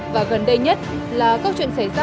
và gần đây nhất là các chuyện xảy ra